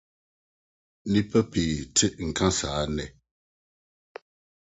Nnipa pii te nka saa nnɛ.